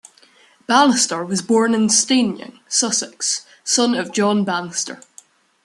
Bannister was born in Steyning, Sussex, son of John Bannister.